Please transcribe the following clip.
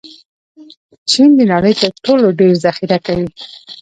چین د نړۍ تر ټولو ډېر ذخیره کوي.